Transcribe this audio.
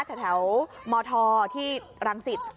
แถวมธที่รังสิต